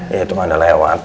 ya itu mana lewat